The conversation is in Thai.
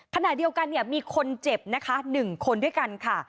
ขนาดเดียวกันนี้มีคนเจ็บนะคะหนึ่งคนด้วยกันค่ะ